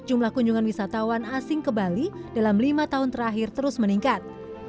jumlah kunjungan wisatawan asing ke bali dalam lima tahun terakhir terus meningkat